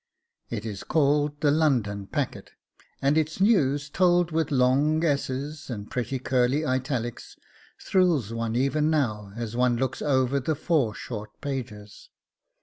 It is called the LONDON PACKET, and its news, told with long s's and pretty curly italics, thrills one even now as one looks over the four short pages.